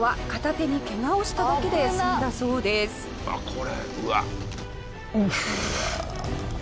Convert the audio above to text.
これうわっ！